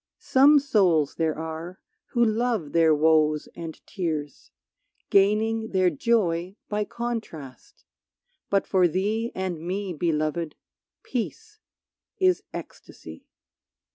Some souls there are who love their woes and tears, Gaining their joy by contrast, but for thee And me, Beloved, peace is ecstasy.